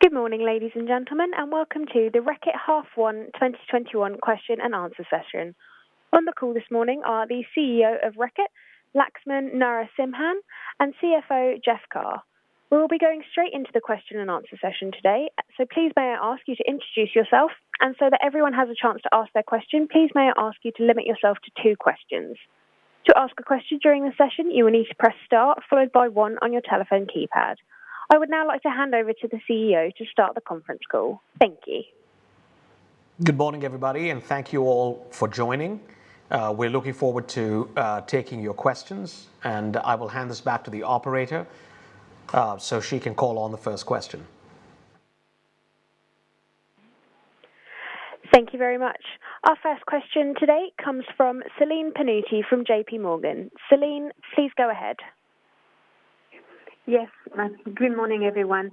Good morning, ladies and gentlemen, welcome to the Reckitt H1 2021 question and answer session. On the call this morning are the CEO of Reckitt, Laxman Narasimhan, and CEO, Jeff Carr. We'll be going straight into the question and answer session today, please may I ask you to introduce yourself, that everyone has a chance to ask their question, please may I ask you to limit yourself to two questions. To ask a question during the session, you will need to press star followed by one on your telephone keypad. I would now like to hand over to the CEO to start the conference call. Thank you. Good morning, everybody, thank you all for joining. We're looking forward to taking your questions. I will hand this back to the operator so she can call on the first question. Thank you very much. Our first question today comes from Celine Pannuti from JPMorgan. Celine, please go ahead. Yes. Good morning, everyone.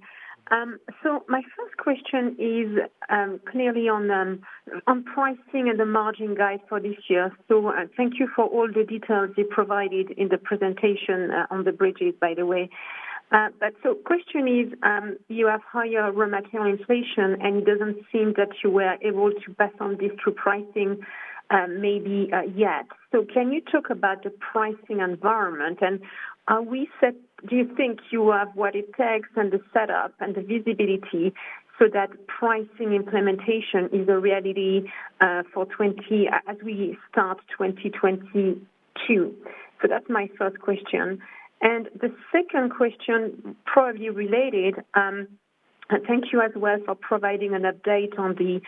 My first question is clearly on pricing and the margin guide for this year. Thank you for all the details you provided in the presentation on the bridges, by the way. Question is, you have higher raw material inflation, and it doesn't seem that you were able to pass on this through pricing maybe yet. Can you talk about the pricing environment? Do you think you have what it takes and the setup and the visibility so that pricing implementation is a reality as we start 2022? That's my first question. The second question, probably related, thank you as well for providing an update on the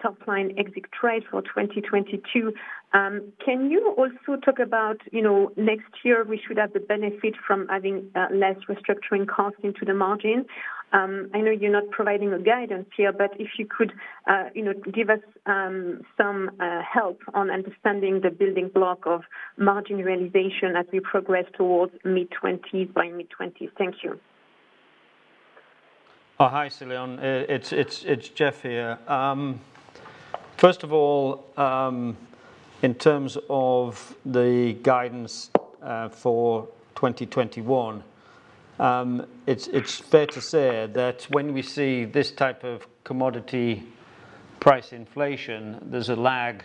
top line exit trade for 2022. Can you also talk about next year? We should have the benefit from adding less restructuring costs into the margin. I know you're not providing a guidance here, but if you could give us some help on understanding the building block of margin realization as we progress towards by mid-2020. Thank you. Hi, Celine. It's Jeff here. First of all, in terms of the guidance for 2021, it's fair to say that when we see this type of commodity price inflation, there's a lag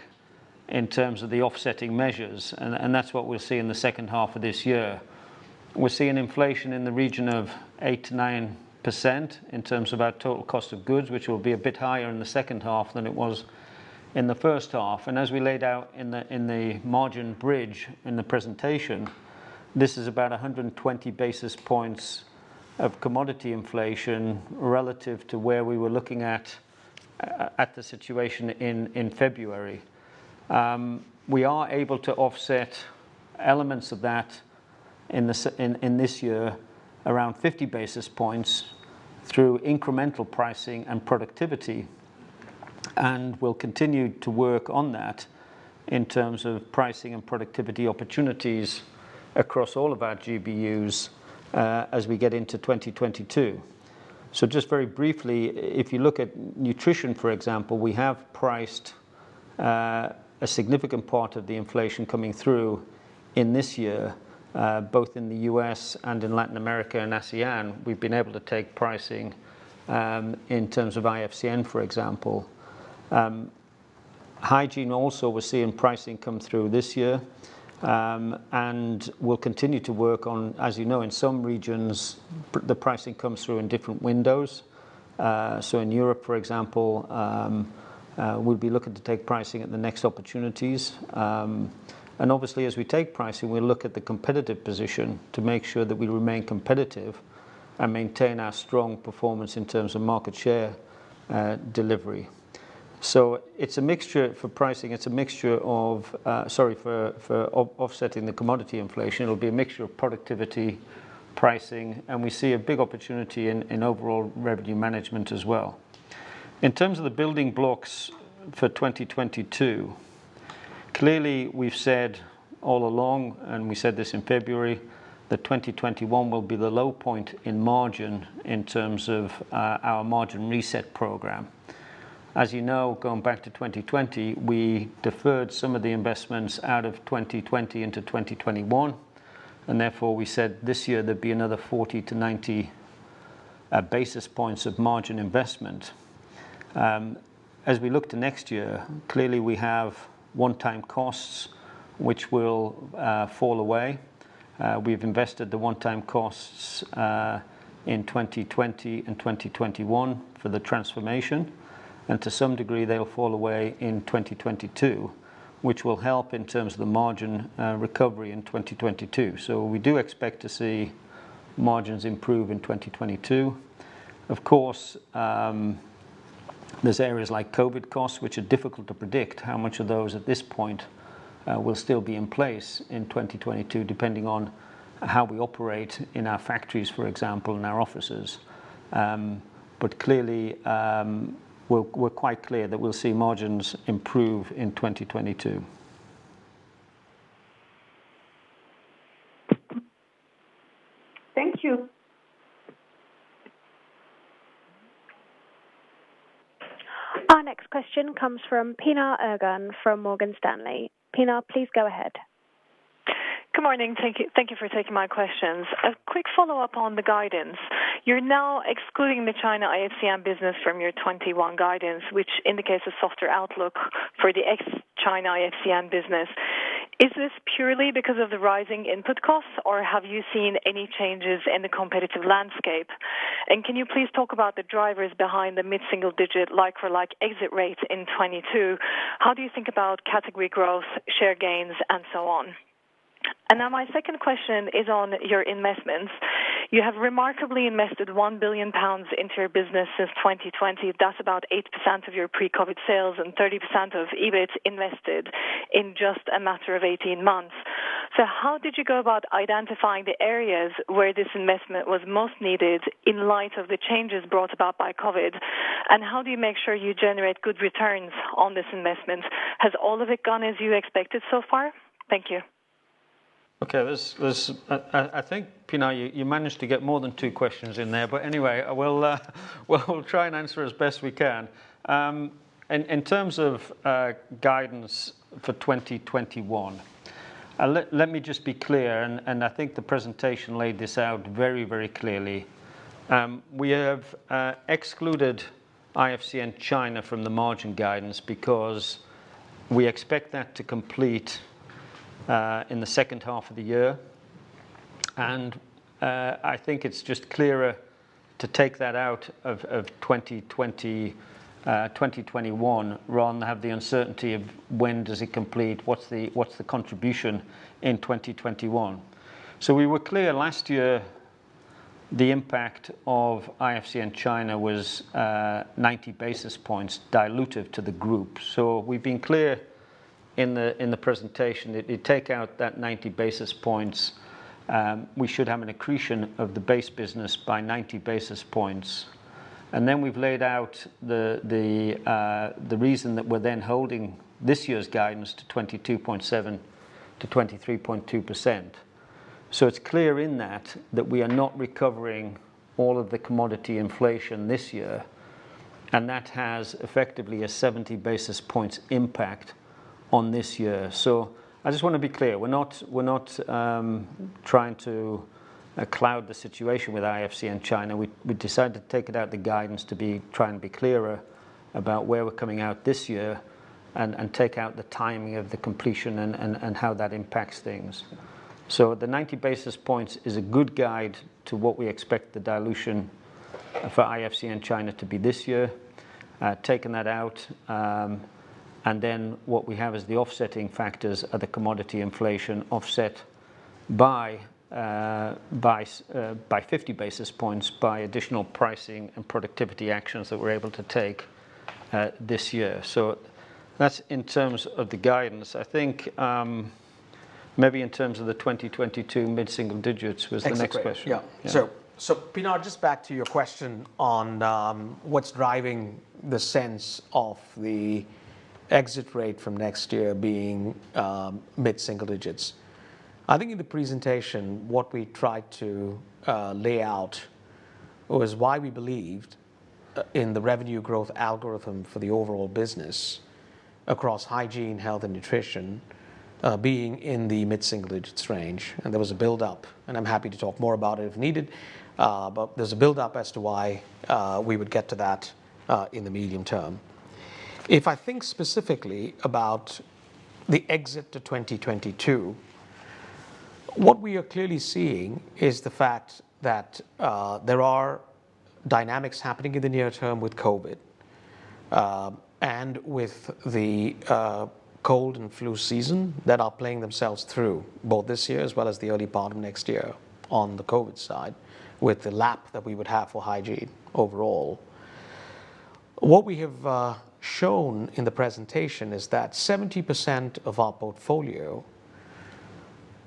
in terms of the offsetting measures. That's what we'll see in the second half of this year. We're seeing inflation in the region of 8%-9% in terms of our total cost of goods, which will be a bit higher in the second half than it was in the first half. As we laid out in the margin bridge in the presentation, this is about 120 basis points of commodity inflation relative to where we were looking at the situation in February. We are able to offset elements of that in this year around 50 basis points through incremental pricing and productivity, we'll continue to work on that in terms of pricing and productivity opportunities across all of our GBUs as we get into 2022. Just very briefly, if you look at nutrition, for example, we have priced a significant part of the inflation coming through in this year, both in the U.S. and in Latin America and ASEAN. We've been able to take pricing in terms of IFCN, for example. Hygiene also, we're seeing pricing come through this year. As you know, in some regions, the pricing comes through in different windows. In Europe, for example, we'll be looking to take pricing at the next opportunities. Obviously, as we take pricing, we look at the competitive position to make sure that we remain competitive and maintain our strong performance in terms of market share delivery. For offsetting the commodity inflation, it'll be a mixture of productivity, pricing, and we see a big opportunity in overall revenue management as well. In terms of the building blocks for 2022, clearly we've said all along, and we said this in February, that 2021 will be the low point in margin in terms of our margin reset program. As you know, going back to 2020, we deferred some of the investments out of 2020 into 2021, therefore we said this year there'd be another 40-90 basis points of margin investment. As we look to next year, clearly we have one-time costs which will fall away. We've invested the one-time costs in 2020 and 2021 for the transformation, and to some degree, they'll fall away in 2022, which will help in terms of the margin recovery in 2022. We do expect to see margins improve in 2022. Of course, there's areas like COVID costs, which are difficult to predict how much of those at this point will still be in place in 2022, depending on how we operate in our factories, for example, and our offices. Clearly, we're quite clear that we'll see margins improve in 2022. Thank you. Our next question comes from Pinar Ergun from Morgan Stanley. Pinar, please go ahead. Good morning. Thank you for taking my questions. A quick follow-up on the guidance. You're now excluding the China IFCN business from your 2021 guidance, which indicates a softer outlook for the ex-China IFCN business. Is this purely because of the rising input costs, or have you seen any changes in the competitive landscape? Can you please talk about the drivers behind the mid-single-digit like-for-like exit rate in 2022? How do you think about category growth, share gains, and so on? My second question is on your investments. You have remarkably invested 1 billion pounds into your business since 2020. That's about 8% of your pre-COVID sales and 30% of EBIT invested in just a matter of 18 months. How did you go about identifying the areas where this investment was most needed in light of the changes brought about by COVID? How do you make sure you generate good returns on this investment? Has all of it gone as you expected so far? Thank you. Okay. I think, Pinar, you managed to get more than two questions in there. Anyway, we'll try and answer as best we can. In terms of guidance for 2021, let me just be clear. I think the presentation laid this out very very clearly. We have excluded IFCN China from the margin guidance because we expect that to complete in the second half of the year. I think it's just clearer to take that out of 2021 rather than have the uncertainty of when does it complete, what's the contribution in 2021. We were clear last year the impact of IFCN China was 90 basis points dilutive to the group. We've been clear in the presentation. If you take out that 90 basis points, we should have an accretion of the base business by 90 basis points. We've laid out the reason that we're holding this year's guidance to 22.7%-23.2%. It's clear in that that we are not recovering all of the commodity inflation this year, and that has effectively a 70 basis points impact on this year. I just want to be clear, we're not trying to cloud the situation with IFCN China. We decided to take it out the guidance to try and be clearer about where we're coming out this year and take out the timing of the completion and how that impacts things. The 90 basis points is a good guide to what we expect the dilution for IFCN China to be this year. Taking that out, what we have is the offsetting factors are the commodity inflation offset by 50 basis points by additional pricing and productivity actions that we're able to take this year. That's in terms of the guidance. I think maybe in terms of the 2022 mid-single digits was the next question. Exit rate. Yeah. Yeah. Pinar, just back to your question on what's driving the sense of the exit rate from next year being mid-single digits. I think in the presentation, what we tried to lay out was why we believed in the revenue growth algorithm for the overall business across hygiene, health, and nutrition, being in the mid-single digits range, and there was a build-up, and I'm happy to talk more about it if needed, but there's a build-up as to why we would get to that in the medium term. If I think specifically about the exit to 2022, what we are clearly seeing is the fact that there are dynamics happening in the near term with COVID, and with the cold and flu season that are playing themselves through both this year as well as the early part of next year on the COVID side, with the lap that we would have for hygiene overall. What we have shown in the presentation is that 70% of our portfolio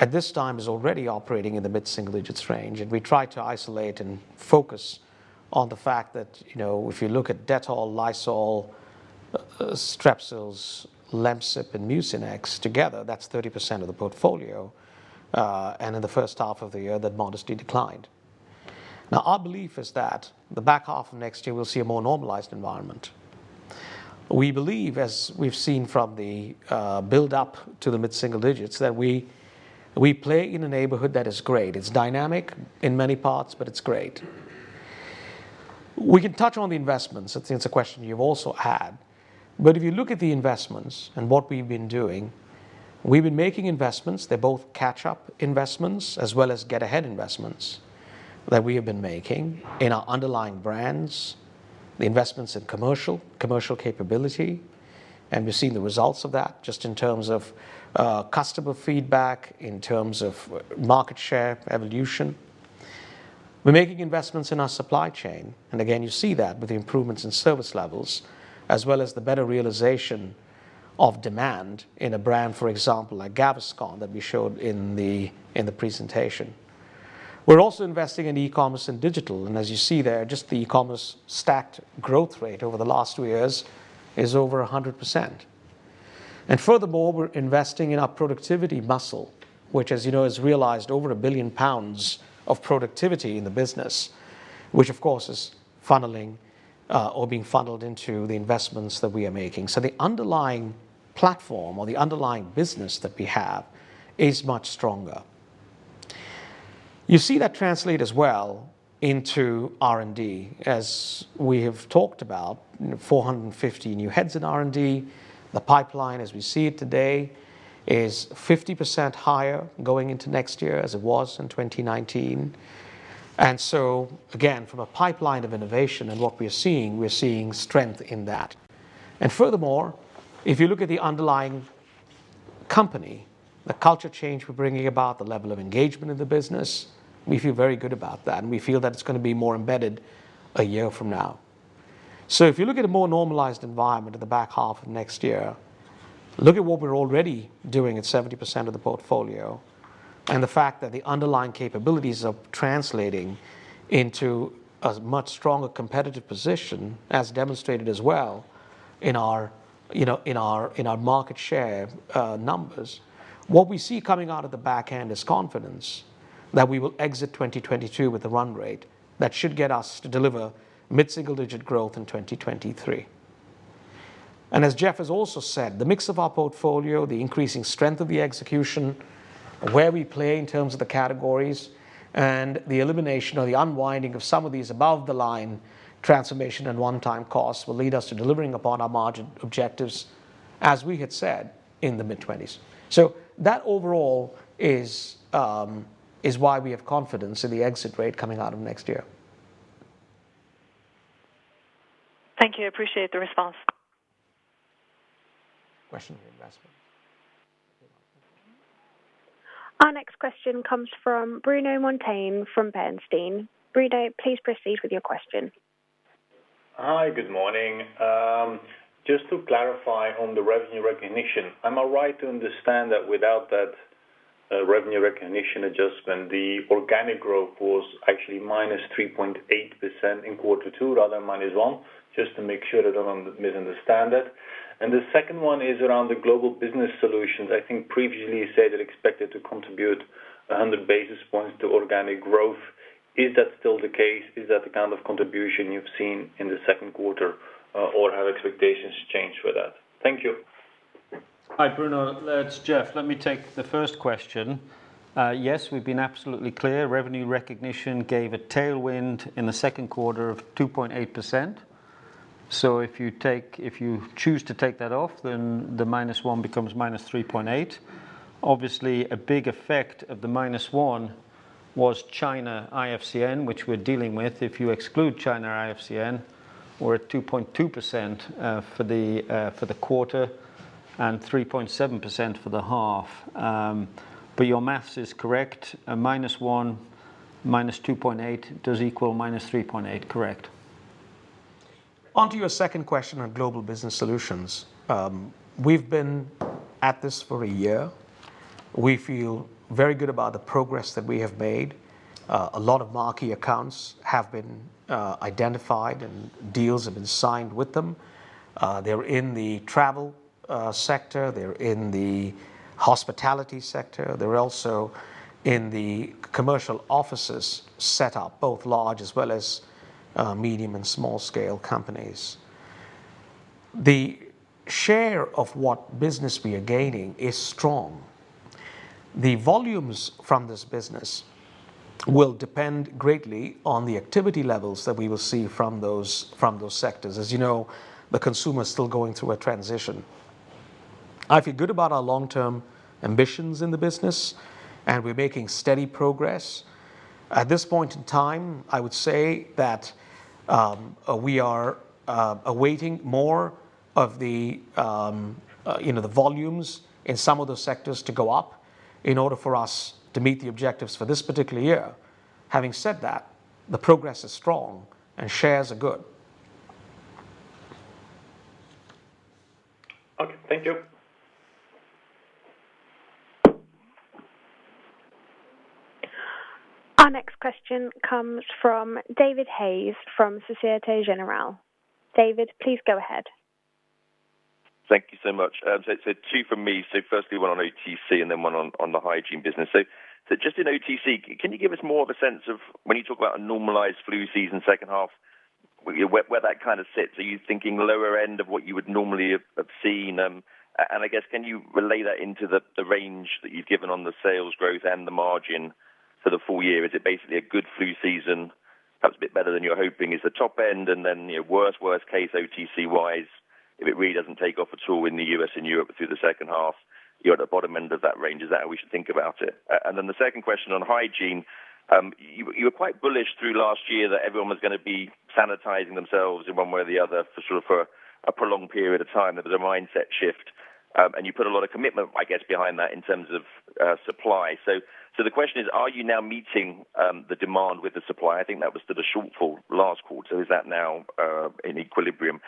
at this time is already operating in the mid-single digits range, and we try to isolate and focus on the fact that if you look at Dettol, Lysol, Strepsils, Lemsip, and Mucinex together, that's 30% of the portfolio, and in the first half of the year, that modestly declined. Now, our belief is that the back half of next year will see a more normalized environment. We believe, as we've seen from the build-up to the mid-single digits, that we play in a neighborhood that is great. It's dynamic in many parts, but it's great. We can touch on the investments. I think it's a question you've also had. If you look at the investments and what we've been doing, we've been making investments. They're both catch-up investments as well as get-ahead investments that we have been making in our underlying brands, the investments in commercial capability, and we're seeing the results of that just in terms of customer feedback, in terms of market share evolution. We're making investments in our supply chain, and again, you see that with the improvements in service levels, as well as the better realization of demand in a brand, for example, like Gaviscon that we showed in the presentation. We're also investing in e-commerce and digital, and as you see there, just the e-commerce stacked growth rate over the last two years is over 100%. Furthermore, we're investing in our productivity muscle, which as you know has realized over 1 billion pounds of productivity in the business, which of course is funneling or being funneled into the investments that we are making. The underlying platform or the underlying business that we have is much stronger. You see that translate as well into R&D, as we have talked about 450 new heads in R&D. The pipeline, as we see it today, is 50% higher going into next year as it was in 2019. Again, from a pipeline of innovation and what we are seeing, we are seeing strength in that. Furthermore, if you look at the underlying company, the culture change we're bringing about, the level of engagement in the business, we feel very good about that, and we feel that it's going to be more embedded one year from now. If you look at a more normalized environment at the back half of next year, look at what we're already doing at 70% of the portfolio, and the fact that the underlying capabilities are translating into a much stronger competitive position, as demonstrated as well in our market share numbers. What we see coming out of the back end is confidence that we will exit 2022 with a run rate that should get us to deliver mid-single digit growth in 2023. As Jeff has also said, the mix of our portfolio, the increasing strength of the execution, where we play in terms of the categories, and the elimination or the unwinding of some of these above-the-line transformation and one-time costs will lead us to delivering upon our margin objectives, as we had said, in the mid-20s. That overall is why we have confidence in the exit rate coming out of next year. Thank you. Appreciate the response. Question investment. Our next question comes from Bruno Monteyne from Bernstein. Bruno, please proceed with your question. Hi. Good morning. Just to clarify on the revenue recognition, am I right to understand that without that revenue recognition adjustment, the organic growth was actually -3.8% in quarter two rather than -1? Just to make sure that I don't misunderstand that. The second one is around the Global Business Solutions. I think previously you said it expected to contribute 100 basis points to organic growth. Is that still the case? Is that the kind of contribution you've seen in the second quarter, or have expectations changed for that? Thank you. Hi, Bruno Monteyne. It's Jeff Carr. Let me take the first question. Yes, we've been absolutely clear. Revenue recognition gave a tailwind in the second quarter of 2.8%. If you choose to take that off, then the -1 becomes -3.8. Obviously, a big effect of the -1 was China IFCN, which we're dealing with. If you exclude China IFCN, we're at 2.2% for the quarter and 3.7% for the half. Your math is correct. -1, -2.8 does equal -3.8. Correct. On to your second question on Global Business Solutions. We've been at this for a year. We feel very good about the progress that we have made. A lot of marquee accounts have been identified, and deals have been signed with them. They're in the travel sector. They're in the hospitality sector. They're also in the commercial offices set up both large as well as medium and small scale companies. The share of what business we are gaining is strong. The volumes from this business will depend greatly on the activity levels that we will see from those sectors. As you know, the consumer is still going through a transition. I feel good about our long-term ambitions in the business, and we're making steady progress. At this point in time, I would say that we are awaiting more of the volumes in some of those sectors to go up in order for us to meet the objectives for this particular year. Having said that, the progress is strong and shares are good. Okay. Thank you. Our next question comes from David Hayes from Societe Generale. David, please go ahead. Thank you so much. Two from me. Firstly, one on OTC and then one on the hygiene business. Just in OTC, can you give us more of a sense of when you talk about a normalized flu season second half, where that kind of sits? Are you thinking lower end of what you would normally have seen? I guess, can you relay that into the range that you've given on the sales growth and the margin for the full year? Is it basically a good flu season, perhaps a bit better than you're hoping is the top end? Worst case OTC-wise, if it really doesn't take off at all in the U.S. and Europe through the second half, you're at the bottom end of that range. Is that how we should think about it? The second question on hygiene. You were quite bullish through last year that everyone was going to be sanitizing themselves in one way or the other for a prolonged period of time. There was a mindset shift. You put a lot of commitment, I guess, behind that in terms of supply. The question is, are you now meeting the demand with the supply? I think that was still a shortfall last quarter. Is that now in equilibrium?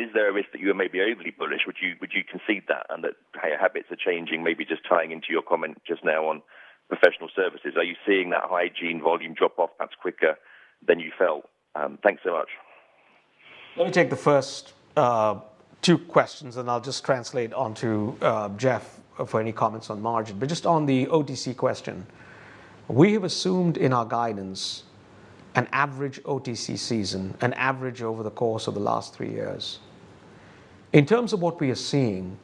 Is there a risk that you are maybe overly bullish? Would you concede that and that habits are changing, maybe just tying into your comment just now on professional services? Are you seeing that hygiene volume drop off perhaps quicker than you felt? Thanks so much. Let me take the first two questions and I'll just translate onto Jeff for any comments on margin. Just on the OTC question, we have assumed in our guidance an average OTC season, an average over the course of the last three years. In terms of what we are seeing,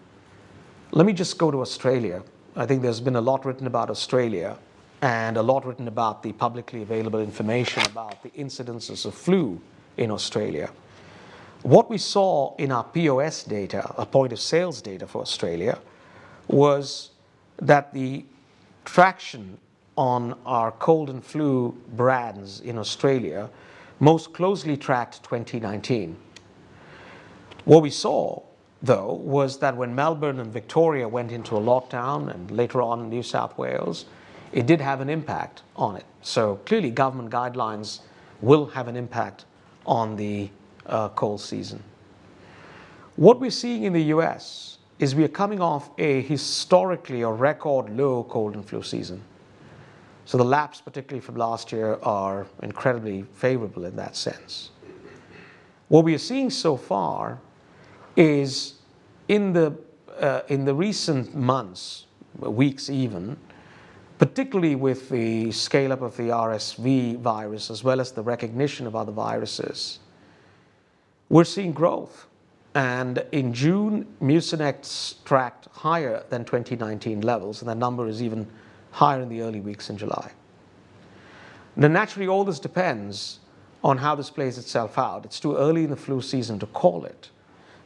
let me just go to Australia. I think there's been a lot written about Australia and a lot written about the publicly available information about the incidences of flu in Australia. What we saw in our POS data, our point of sales data for Australia, was that the traction on our cold and flu brands in Australia most closely tracked 2019. What we saw, though, was that when Melbourne and Victoria went into a lockdown, and later on New South Wales, it did have an impact on it. Clearly government guidelines will have an impact on the cold season. What we are seeing in the U.S. is we are coming off a historically a record low cold and flu season. The laps, particularly from last year, are incredibly favorable in that sense. What we are seeing so far is in the recent months, weeks even, particularly with the scale-up of the RSV virus, as well as the recognition of other viruses, we're seeing growth, and in June, Mucinex tracked higher than 2019 levels, and that number is even higher in the early weeks in July. Now naturally, all this depends on how this plays itself out. It's too early in the flu season to call it,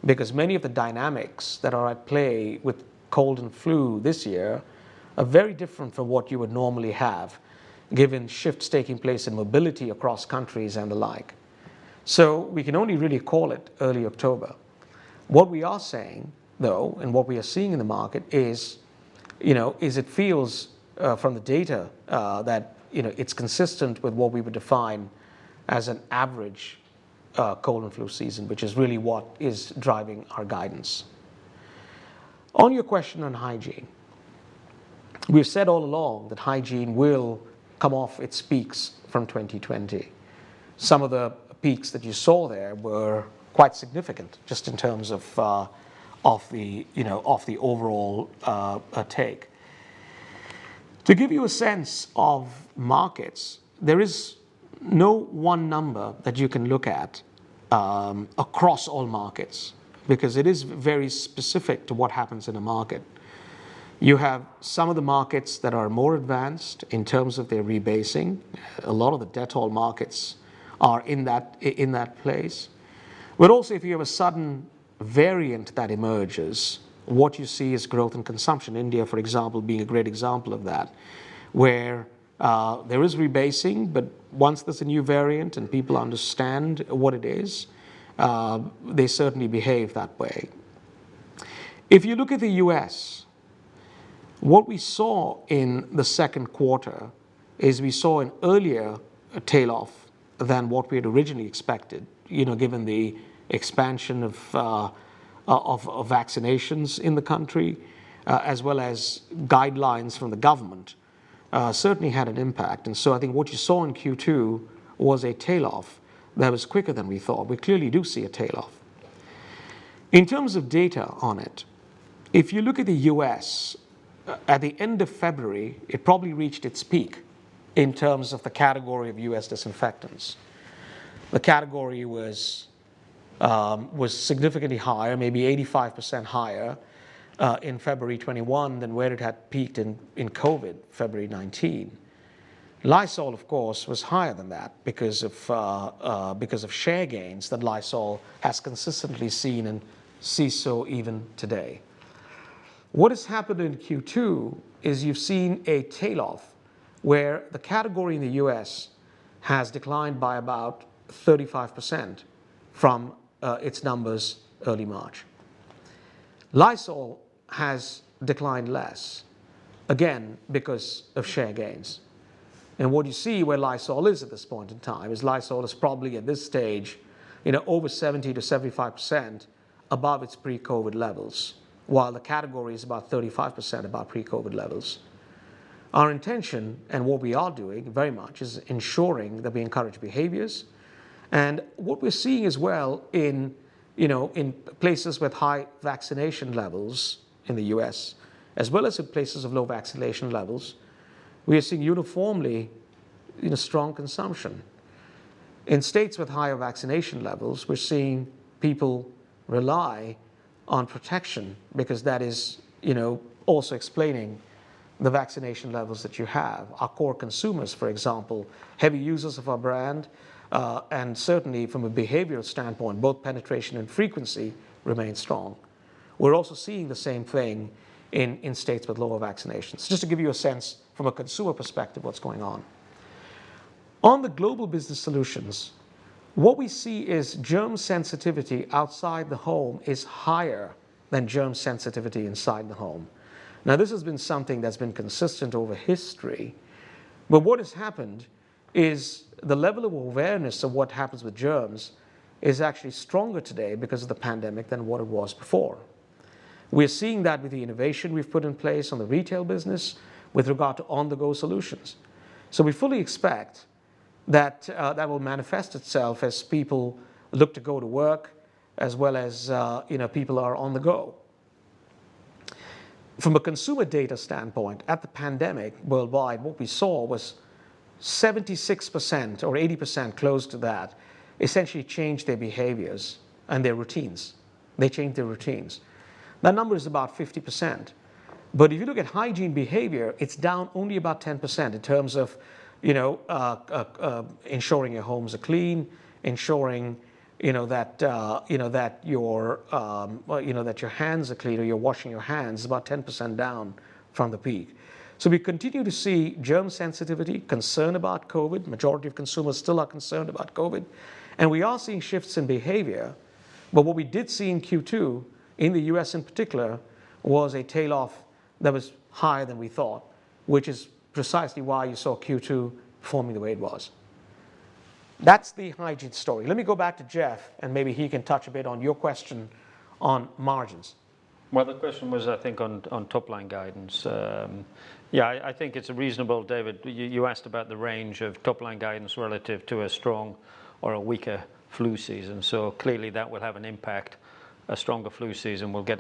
because many of the dynamics that are at play with cold and flu this year are very different from what you would normally have, given shifts taking place in mobility across countries and the like. We can only really call it early October. What we are saying, though, and what we are seeing in the market is it feels from the data that it's consistent with what we would define as an average cold and flu season, which is really what is driving our guidance. On your question on hygiene, we've said all along that hygiene will come off its peaks from 2020. Some of the peaks that you saw there were quite significant just in terms of the overall take. To give you a sense of markets, there is no one number that you can look at across all markets, because it is very specific to what happens in a market. You have some of the markets that are more advanced in terms of their rebasing. A lot of the Dettol markets are in that place. Also, if you have a sudden variant that emerges, what you see is growth in consumption. India, for example, being a great example of that, where there is rebasing, once there's a new variant and people understand what it is, they certainly behave that way. If you look at the U.S., what we saw in the second quarter is we saw an earlier tail-off than what we had originally expected, given the expansion of vaccinations in the country, as well as guidelines from the government certainly had an impact. I think what you saw in Q2 was a tail-off that was quicker than we thought. We clearly do see a tail-off. In terms of data on it, if you look at the U.S., at the end of February, it probably reached its peak in terms of the category of U.S. disinfectants. The category was significantly higher, maybe 85% higher, in February 2021 than where it had peaked in COVID, February 2019. Lysol, of course, was higher than that because of share gains that Lysol has consistently seen and sees so even today. What has happened in Q2 is you've seen a tail-off where the category in the U.S. has declined by about 35% from its numbers early March. Lysol has declined less, again, because of share gains. What you see where Lysol is at this point in time is Lysol is probably, at this stage, over 70%-75% above its pre-COVID levels, while the category is about 35% above pre-COVID levels. Our intention, what we are doing very much, is ensuring that we encourage behaviors. What we're seeing as well in places with high vaccination levels in the U.S., as well as in places of low vaccination levels, we are seeing uniformly strong consumption. In states with higher vaccination levels, we're seeing people rely on protection because that is also explaining the vaccination levels that you have. Our core consumers, for example, heavy users of our brand, and certainly from a behavioral standpoint, both penetration and frequency remain strong. We're also seeing the same thing in states with lower vaccinations. Just to give you a sense from a consumer perspective what's going on. On the Global Business Solutions, what we see is germ sensitivity outside the home is higher than germ sensitivity inside the home. Now, this has been something that's been consistent over history, but what has happened is the level of awareness of what happens with germs is actually stronger today because of the pandemic than what it was before. We're seeing that with the innovation we've put in place on the retail business with regard to on-the-go solutions. We fully expect that will manifest itself as people look to go to work as well as people are on the go. From a consumer data standpoint, at the pandemic worldwide, what we saw was 76% or 80% close to that essentially changed their behaviors and their routines. They changed their routines. That number is about 50%, but if you look at hygiene behavior, it's down only about 10% in terms of ensuring your homes are clean, ensuring that your hands are clean, or you're washing your hands, about 10% down from the peak. We continue to see germ sensitivity, concern about COVID, majority of consumers still are concerned about COVID, and we are seeing shifts in behavior. What we did see in Q2, in the U.S. in particular, was a tail-off that was higher than we thought, which is precisely why you saw Q2 forming the way it was. That's the hygiene story. Let me go back to Jeff, and maybe he can touch a bit on your question on margins. The question was, I think, on top-line guidance. Yeah, I think it's reasonable, David. You asked about the range of top-line guidance relative to a strong or a weaker flu season. Clearly, that will have an impact. A stronger flu season will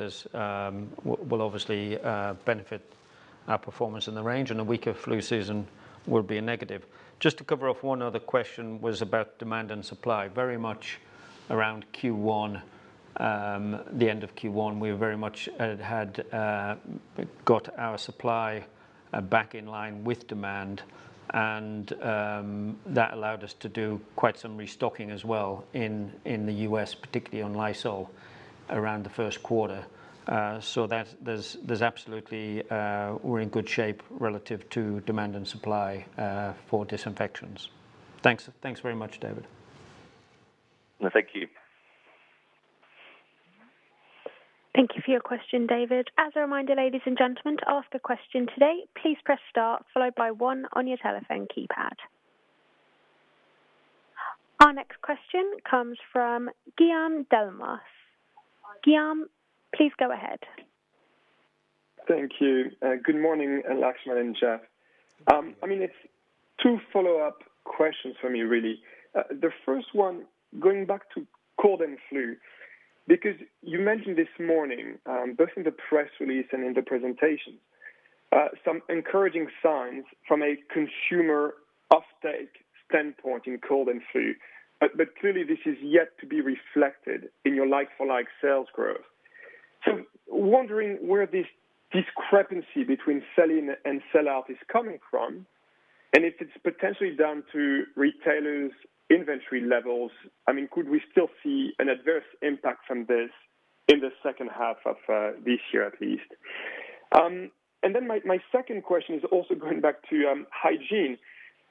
obviously benefit our performance in the range, and a weaker flu season will be a negative. Just to cover off one other question was about demand and supply. Very much around the end of Q1, we very much had got our supply back in line with demand, and that allowed us to do quite some restocking as well in the U.S., particularly on Lysol around the first quarter. We're in good shape relative to demand and supply for disinfections. Thanks very much, David. Thank you. Thank you for your question, David. As a reminder, ladies and gentlemen, to ask a question today, please press star followed by one on your telephone keypad. Our next question comes from Guillaume Delmas. Guillaume, please go ahead. Thank you. Good morning, Laxman and Jeff. It's two follow-up questions from me, really. The first one, going back to cold and flu, because you mentioned this morning, both in the press release and in the presentation, some encouraging signs from a consumer uptake standpoint in cold and flu. Clearly, this is yet to be reflected in your like-for-like sales growth. Wondering where this discrepancy between sell-in and sell-out is coming from, and if it's potentially down to retailers' inventory levels. Could we still see an adverse impact from this in the second half of this year, at least? My second question is also going back to hygiene.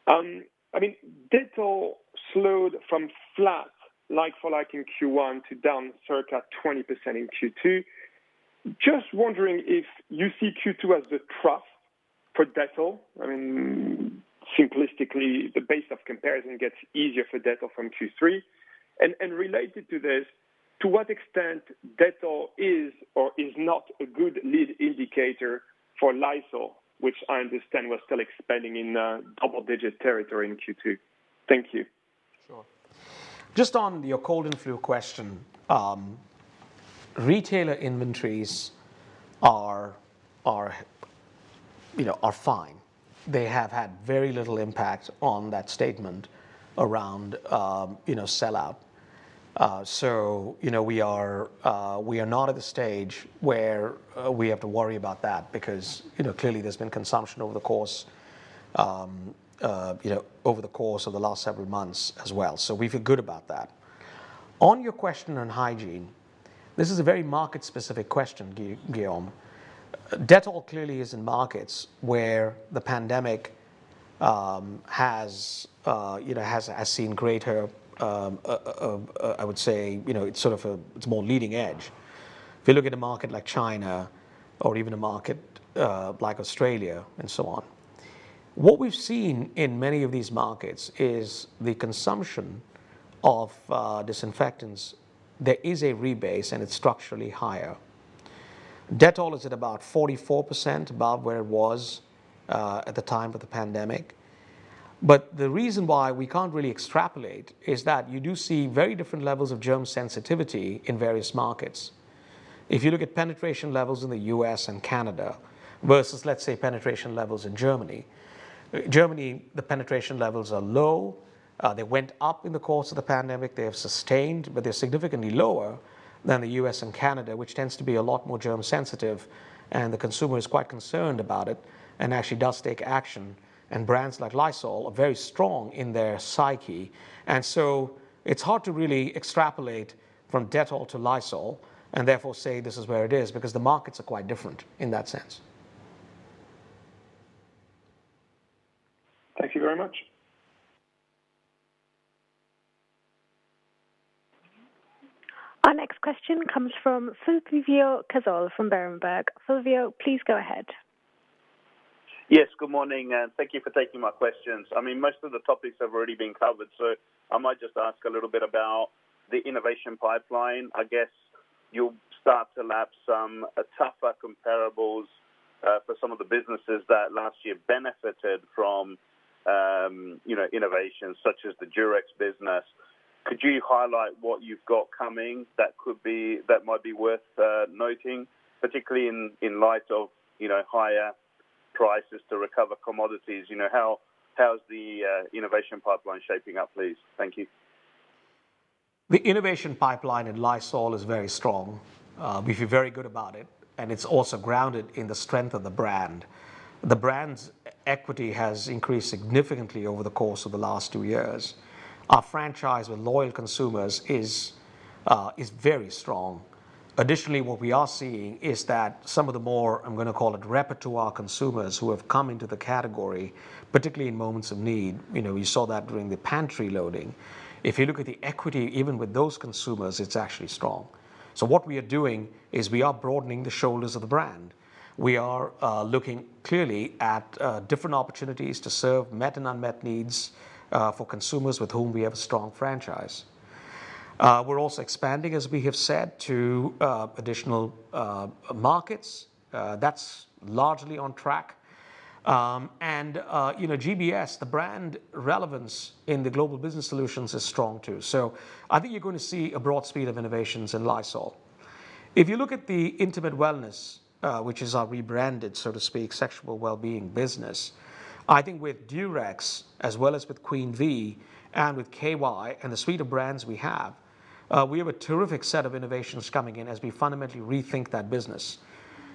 Dettol slowed from flat like for like in Q1 to down circa 20% in Q2. Just wondering if you see Q2 as the trough for Dettol. Simplistically, the base of comparison gets easier for Dettol from Q3. Related to this, to what extent Dettol is or is not a good lead indicator for Lysol, which I understand was still expanding in double-digit territory in Q2. Thank you. Sure. Just on your cold and flu question, retailer inventories are fine. They have had very little impact on that statement around sell-out. We are not at the stage where we have to worry about that because clearly, there's been consumption over the course of the last several months as well. We feel good about that. On your question on hygiene, this is a very market-specific question, Guillaume. Dettol clearly is in markets where the pandemic has seen greater, I would say, it's more leading edge. If you look at a market like China or even a market like Australia and so on. What we've seen in many of these markets is the consumption of disinfectants, there is a rebase, and it's structurally higher. Dettol is at about 44%, about where it was at the time of the pandemic. The reason why we can't really extrapolate is that you do see very different levels of germ sensitivity in various markets. If you look at penetration levels in the U.S. and Canada versus, let's say, penetration levels in Germany. Germany, the penetration levels are low. They went up in the course of the pandemic. They have sustained, but they're significantly lower than the U.S. and Canada, which tends to be a lot more germ sensitive, and the consumer is quite concerned about it and actually does take action. Brands like Lysol are very strong in their psyche. It's hard to really extrapolate from Dettol to Lysol and therefore say this is where it is, because the markets are quite different in that sense. Thank you very much. Our next question comes from Fulvio Cazzol from Berenberg. Fulvio, please go ahead. Yes, good morning. Thank you for taking my questions. Most of the topics have already been covered. I might just ask a little bit about the innovation pipeline. I guess you'll start to lap some tougher comparables for some of the businesses that last year benefited from innovations such as the Durex business. Could you highlight what you've got coming that might be worth noting, particularly in light of higher prices to recover commodities? How's the innovation pipeline shaping up, please? Thank you. The innovation pipeline in Lysol is very strong. We feel very good about it, and it's also grounded in the strength of the brand. The brand's equity has increased significantly over the course of the last two years. Our franchise with loyal consumers is very strong. Additionally, what we are seeing is that some of the more, I'm going to call it repertoire consumers, who have come into the category, particularly in moments of need. We saw that during the pantry loading. If you look at the equity, even with those consumers, it's actually strong. What we are doing is we are broadening the shoulders of the brand. We are looking clearly at different opportunities to serve met and unmet needs for consumers with whom we have a strong franchise. We're also expanding, as we have said, to additional markets. That's largely on track. GBS, the brand relevance in the Global Business Solutions is strong, too. I think you're going to see a broad suite of innovations in Lysol. If you look at the Intimate Wellness, which is our rebranded, so to speak, Sexual Wellbeing business, I think with Durex, as well as with Queen V, and with K-Y, and the suite of brands we have, we have a terrific set of innovations coming in as we fundamentally rethink that business.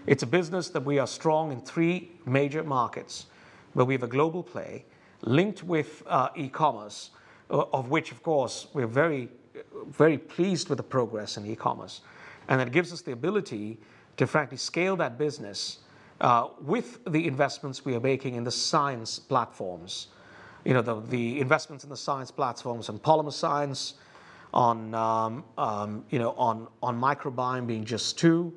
It's a business that we are strong in three major markets, where we have a global play linked with e-commerce, of which, of course, we are very pleased with the progress in e-commerce, and it gives us the ability to frankly scale that business with the investments we are making in the science platforms. The investments in the science platforms on polymer science, on microbiome being just two,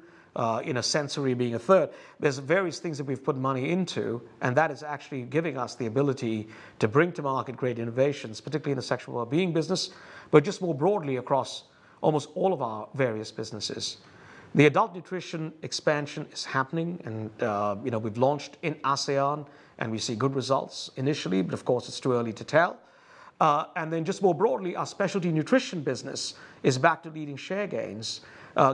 sensory being a third. There's various things that we've put money into, and that is actually giving us the ability to bring to market great innovations, particularly in the Sexual Wellbeing business, but just more broadly across almost all of our various businesses. The adult nutrition expansion is happening, and we've launched in ASEAN, and we see good results initially, but of course, it's too early to tell. Then just more broadly, our specialty nutrition business is back to leading share gains,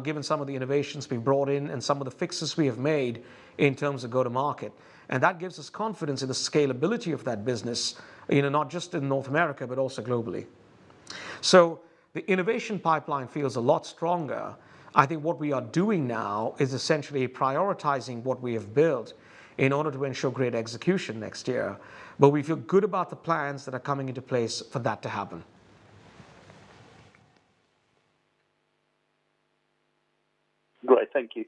given some of the innovations we've brought in and some of the fixes we have made in terms of go to market. That gives us confidence in the scalability of that business, not just in North America, but also globally. The innovation pipeline feels a lot stronger. I think what we are doing now is essentially prioritizing what we have built in order to ensure great execution next year, but we feel good about the plans that are coming into place for that to happen. Great. Thank you.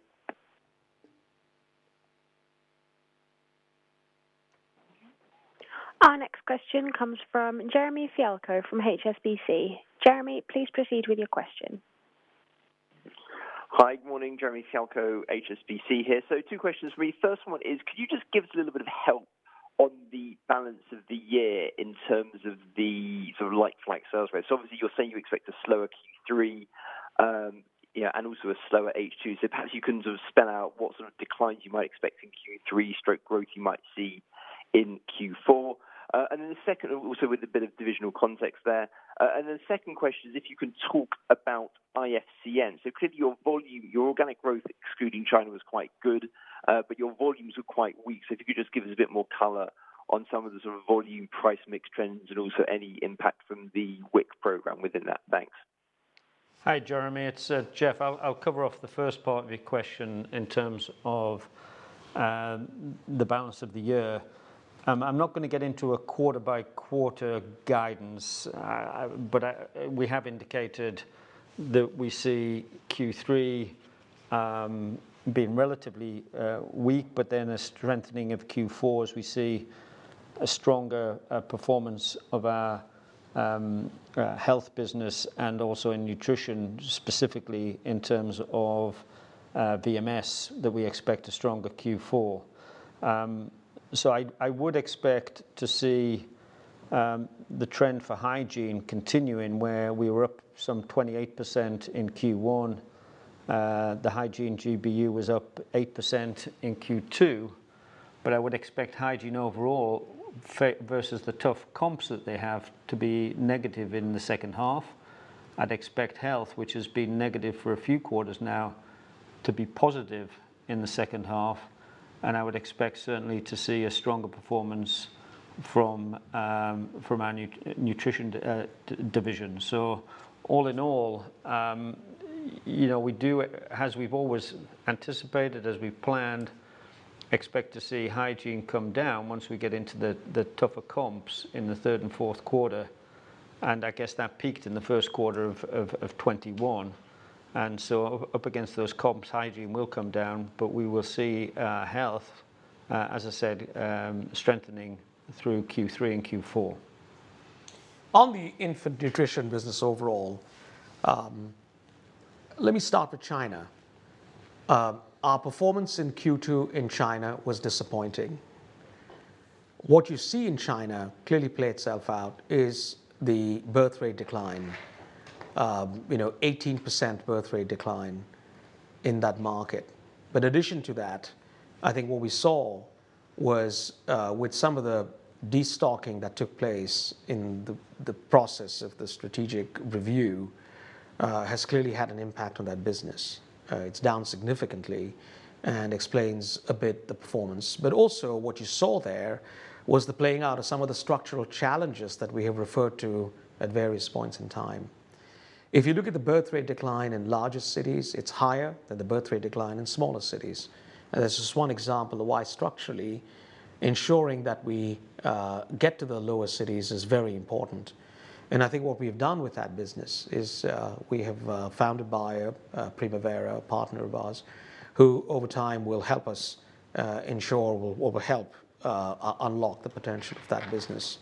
Our next question comes from Jeremy Fialko from HSBC. Jeremy, please proceed with your question. Hi, good morning. Jeremy Fialko, HSBC here. Two questions for you. First one is, could you just give us a little bit of help on the balance of the year in terms of the like-for-like sales rate? Obviously you're saying you expect a slower Q3, and also a slower H2. Perhaps you can sort of spell out what sort of declines you might expect in Q3, stroke growth you might see in Q4. The second question, also with a bit of divisional context there, is if you can talk about IFCN. Clearly your volume, your organic growth excluding China was quite good, but your volumes were quite weak. If you could just give us a bit more color on some of the sort of volume price mix trends and also any impact from the WIC program within that. Thanks. Hi, Jeremy. It's Jeff. I'll cover off the first part of your question in terms of the balance of the year. We have indicated that we see Q3 being relatively weak, then a strengthening of Q4 as we see a stronger performance of our health business and also in nutrition, specifically in terms of VMS, that we expect a stronger Q4. I would expect to see the trend for Hygiene continuing, where we were up some 28% in Q1. The Hygiene GBU was up 8% in Q2. I would expect Hygiene overall, versus the tough comps that they have, to be negative in the second half. I'd expect health, which has been negative for a few quarters now, to be positive in the second half, and I would expect certainly to see a stronger performance from our nutrition division. All in all, as we've always anticipated, as we planned, expect to see hygiene come down once we get into the tougher comps in the third and fourth quarter, and I guess that peaked in the first quarter of 2021. Up against those comps, hygiene will come down, but we will see health, as I said, strengthening through Q3 and Q4. On the infant nutrition business overall, let me start with China. Our performance in Q2 in China was disappointing. What you see in China clearly play itself out is the birth rate decline, 18% birth rate decline in that market. In addition to that, I think what we saw was with some of the destocking that took place in the process of the strategic review has clearly had an impact on that business. It's down significantly and explains a bit the performance. Also what you saw there was the playing out of some of the structural challenges that we have referred to at various points in time. If you look at the birth rate decline in larger cities, it's higher than the birth rate decline in smaller cities. That's just one example of why structurally ensuring that we get to the lower cities is very important. I think what we've done with that business is we have found a buyer, Primavera, a partner of ours, who over time will help us ensure or will help unlock the potential of that business.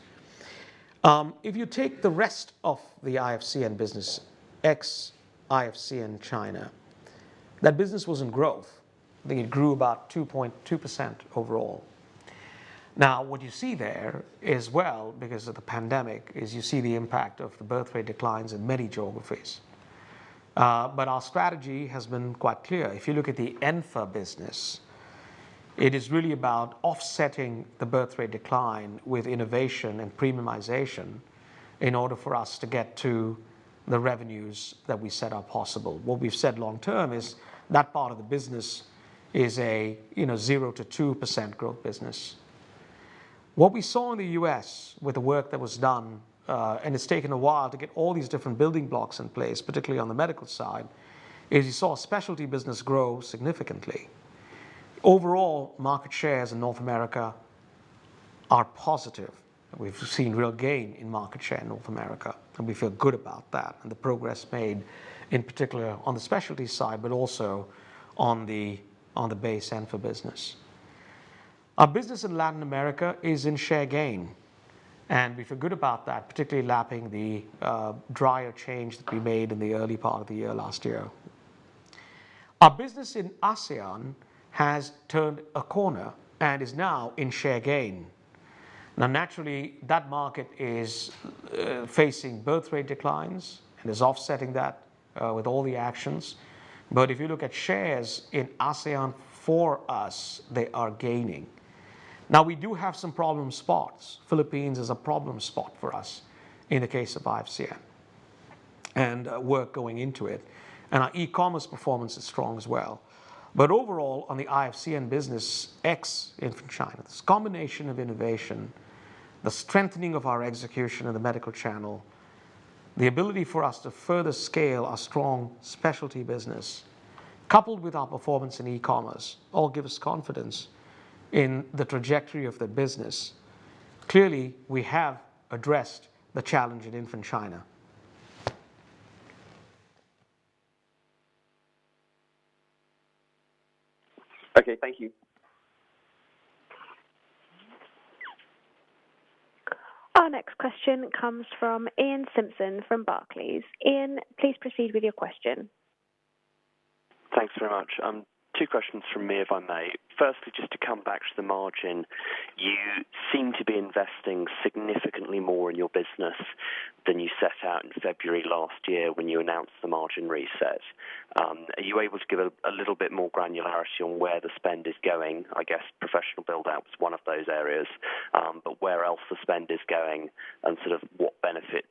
If you take the rest of the IFCN business, ex IFCN China, that business was in growth. I think it grew about 2.2% overall. What you see there as well, because of the pandemic, is you see the impact of the birth rate declines in many geographies. Our strategy has been quite clear. If you look at the Enfa business, it is really about offsetting the birth rate decline with innovation and premiumization in order for us to get to the revenues that we said are possible. What we've said long term is that part of the business is a 0-2% growth business. What we saw in the U.S. with the work that was done, and it's taken a while to get all these different building blocks in place, particularly on the medical side, is you saw specialty business grow significantly. Overall, market shares in North America are positive. We've seen real gain in market share in North America, and we feel good about that and the progress made, in particular on the specialty side, but also on the base Enfa business. Our business in Latin America is in share gain, and we feel good about that, particularly lapping the driver change that we made in the early part of the year last year. Our business in ASEAN has turned a corner and is now in share gain. Naturally, that market is facing birth rate declines and is offsetting that with all the actions. If you look at shares in ASEAN for us, they are gaining. Now we do have some problem spots. Philippines is a problem spot for us in the case of IFCN, and work going into it. Our e-commerce performance is strong as well. Overall, on the IFCN business, ex infant China, this combination of innovation, the strengthening of our execution in the medical channel, the ability for us to further scale our strong specialty business, coupled with our performance in e-commerce, all give us confidence in the trajectory of the business. Clearly, we have addressed the challenge in infant China. Okay, thank you. Our next question comes from Iain Simpson from Barclays. Iain, please proceed with your question. Thanks very much. Two questions from me, if I may. Firstly, just to come back to the margin, you seem to be investing significantly more in your business than you set out in February last year when you announced the margin reset. Are you able to give a little bit more granularity on where the spend is going? I guess professional build-out was one of those areas, where else the spend is going and sort of what benefits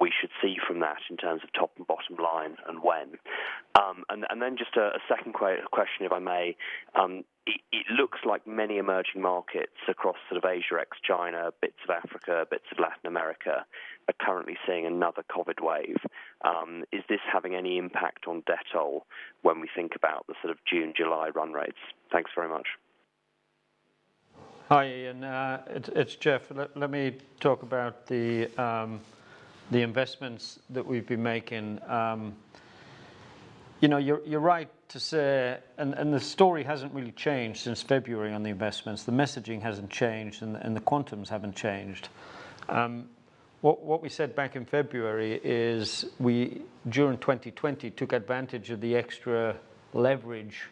we should see from that in terms of top and bottom line and when? Just a second question, if I may. It looks like many emerging markets across sort of Asia ex China, bits of Africa, bits of Latin America, are currently seeing another COVID wave. Is this having any impact on Dettol when we think about the sort of June, July run rates? Thanks very much. Hi, Iain. It's Jeff. Let me talk about the investments that we've been making. You're right to say, the story hasn't really changed since February on the investments. The messaging hasn't changed, the quantums haven't changed. What we said back in February is we, during 2020, took advantage of the extra leverage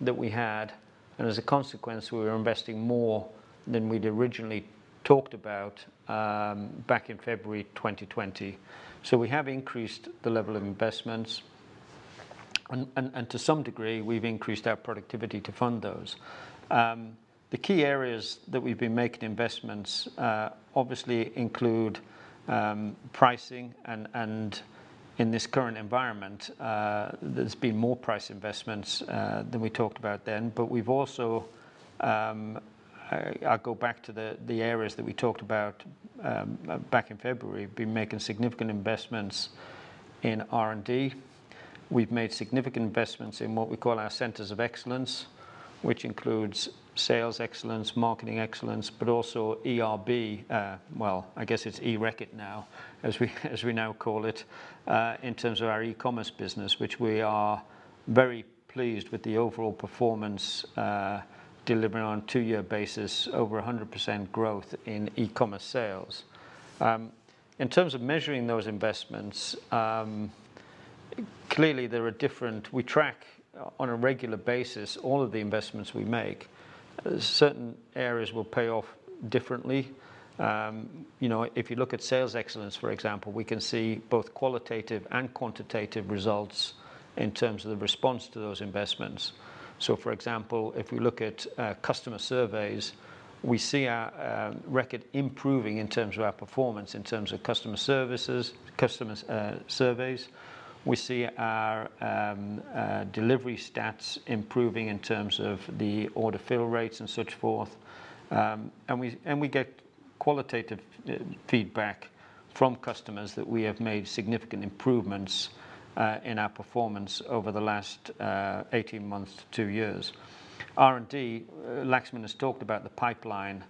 that we had, as a consequence, we were investing more than we'd originally talked about back in February 2020. We have increased the level of investments, to some degree, we've increased our productivity to fund those. The key areas that we've been making investments obviously include pricing, in this current environment, there's been more price investments than we talked about then. We've also, I'll go back to the areas that we talked about back in February, been making significant investments in R&D. We've made significant investments in what we call our centers of excellence, which includes sales excellence, marketing excellence, but also eRB, well, I guess it's eReckitt now, as we now call it, in terms of our e-commerce business, which we are very pleased with the overall performance, delivering on a two-year basis over 100% growth in e-commerce sales. In terms of measuring those investments Clearly, we track, on a regular basis, all of the investments we make. Certain areas will pay off differently. If you look at sales excellence, for example, we can see both qualitative and quantitative results in terms of the response to those investments. For example, if we look at customer surveys, we see our record improving in terms of our performance, in terms of customer surveys. We see our delivery stats improving in terms of the order fill rates and so forth. We get qualitative feedback from customers that we have made significant improvements in our performance over the last 18 months to two years. R&D, Laxman has talked about the pipeline.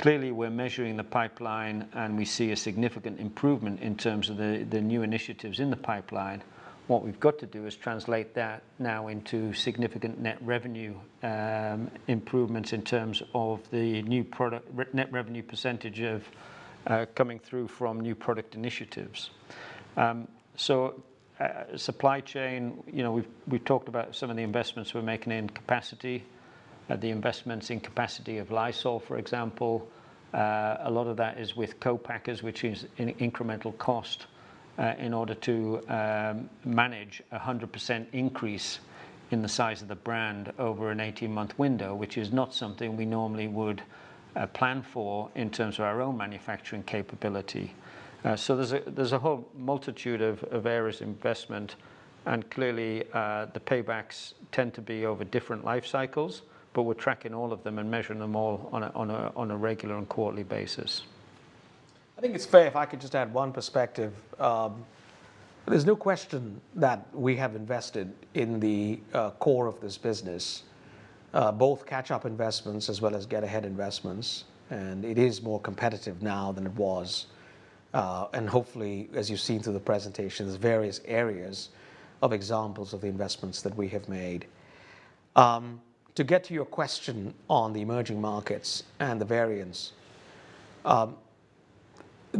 Clearly, we're measuring the pipeline, we see a significant improvement in terms of the new initiatives in the pipeline. What we've got to do is translate that now into significant net revenue improvements in terms of the new net revenue percentage coming through from new product initiatives. Supply chain, we've talked about some of the investments we're making in capacity, the investments in capacity of Lysol, for example. A lot of that is with co-packers, which is an incremental cost in order to manage 100% increase in the size of the brand over an 18-month window, which is not something we normally would plan for in terms of our own manufacturing capability. There's a whole multitude of areas investment, and clearly, the paybacks tend to be over different life cycles, but we're tracking all of them and measuring them all on a regular and quarterly basis. I think it's fair, if I could just add one perspective. There's no question that we have invested in the core of this business, both catch-up investments as well as get-ahead investments, and it is more competitive now than it was. Hopefully, as you've seen through the presentations, various areas of examples of the investments that we have made. To get to your question on the emerging markets and the variants, the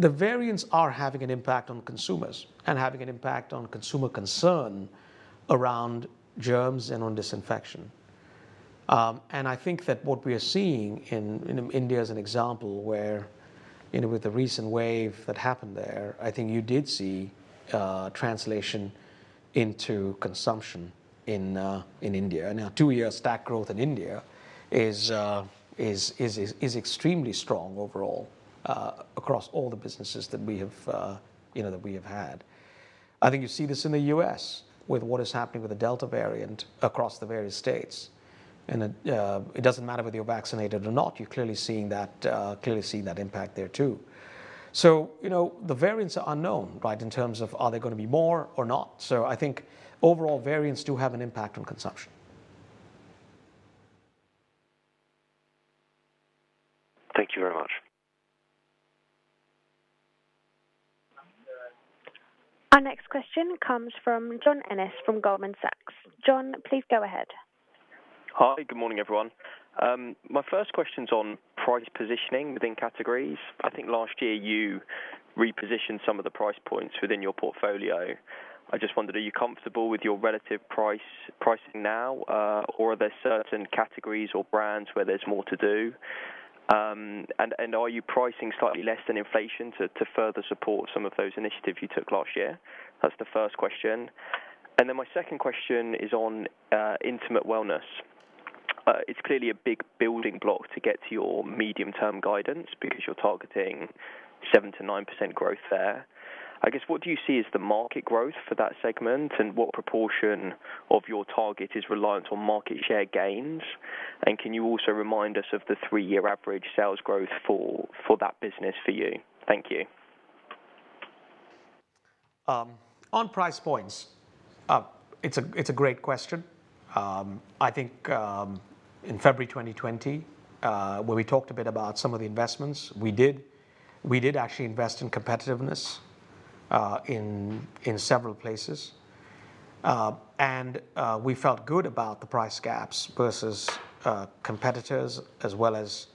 variants are having an impact on consumers and having an impact on consumer concern around germs and on disinfection. I think that what we are seeing in India as an example, where with the recent wave that happened there, I think you did see translation into consumption in India. Now, two-year stack growth in India is extremely strong overall, across all the businesses that we have had. I think you see this in the U.S. with what is happening with the Delta variant across the various states. It doesn't matter whether you're vaccinated or not, you're clearly seeing that impact there, too. The variants are unknown, right, in terms of are there going to be more or not. I think overall, variants do have an impact on consumption. Thank you very much. Our next question comes from Jon Ennis from Goldman Sachs. Jon, please go ahead. Hi. Good morning, everyone. My first question's on price positioning within categories. I think last year you repositioned some of the price points within your portfolio. I just wondered, are you comfortable with your relative pricing now, or are there certain categories or brands where there's more to do? Are you pricing slightly less than inflation to further support some of those initiatives you took last year? That's the first question. My second question is on Intimate Wellness. It's clearly a big building block to get to your medium-term guidance because you're targeting 7%-9% growth there. I guess what do you see as the market growth for that segment, and what proportion of your target is reliant on market share gains? Can you also remind us of the three-year average sales growth for that business for you? Thank you. On price points, it's a great question. I think in February 2020, where we talked a bit about some of the investments, we did actually invest in competitiveness in several places. We felt good about the price gaps versus competitors as well as